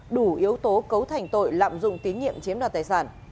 đủ yếu tố cấu thành tội lạm dụng tín nhiệm chiếm đoạt tài sản